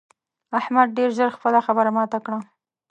احمد ډېر ژر خپله خبره ماته کړه.